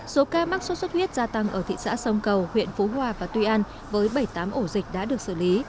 số ca mắc sốt xuất huyết gia tăng ở thị xã sông cầu huyện phú hòa và tuy an với bảy mươi tám ổ dịch đã được xử lý